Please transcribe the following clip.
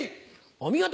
お見事。